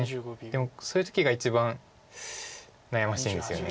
でもそういう時が一番悩ましいんですよね。